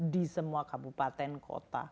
di semua kabupaten kota